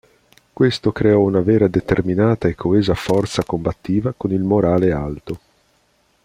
Questo creò una vera determinata e coesa forza combattiva con il morale alto.